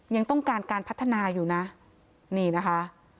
ยังต้องการการพัฒนาอยู่นะนี่นะคะ